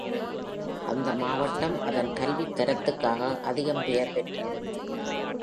அந்த மாவட்டம் அதன் கல்வித்தரத்திற்காக அதிகம் பெயர் பெற்றது.